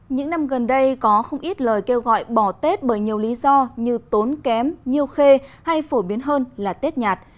những năm gần đây có không ít lời kêu gọi bỏ tết bởi nhiều lý do như tốn kém nhiều khê hay phổ biến hơn là tết nhạt